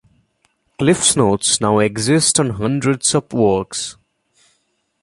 CliffsNotes now exist on hundreds of works.